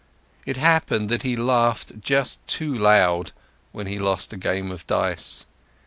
It happened that he laughed just too loud when he lost a game of dice.